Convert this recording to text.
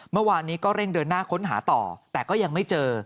เมื่อวานนี้ก็เร่งเดินหน้าค้นหาต่อแต่ก็ยังไม่เจอ